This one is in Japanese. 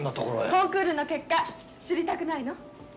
コンクールの結果知りたくないの？